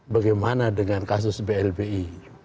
bagaimana dengan kasus blpi